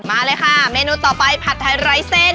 มาเลยค่ะเมนูต่อไปผัดไทยไร้เส้น